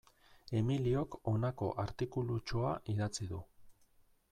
Emiliok honako artikulutxoa idatzi du.